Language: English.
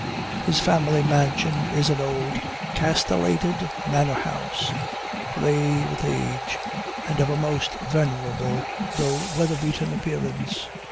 His family mansion is an old castellated manor house, gray with age, and of a most venerable, though weather beaten appearance.